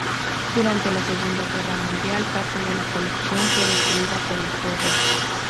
Durante la Segunda Guerra Mundial, parte de la colección fue destruida por el fuego.